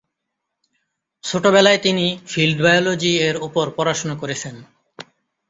ছোটবেলায় তিনি 'field biology' এর উপর পড়াশোনা করেছেন।